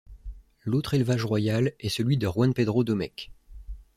L'autre élevage royal est celui de Juan Pedro Domecq.